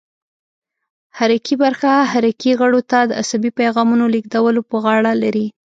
حرکي برخه حرکي غړو ته د عصبي پیغامونو لېږدولو په غاړه لري.